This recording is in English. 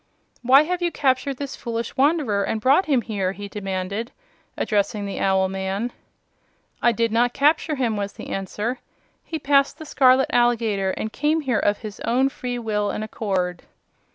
"Why have you captured this foolish wanderer and brought him here?" he demanded, addressing the owl man. "I did not capture him," was the answer. "He passed the scarlet alligator and came here of his own free will and accord."